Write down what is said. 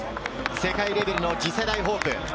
世界レベルの次世代ホープ。